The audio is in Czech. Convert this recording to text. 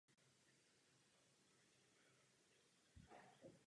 Jednalo se o teprve druhý střet moderních lodí v dějinách Japonska.